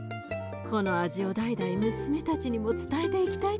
この味を代々娘たちにも伝えていきたいと思います。